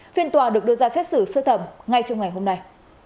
phiên tòa được đưa ra xét xử sơ thẩm ngay trong ngày hôm nay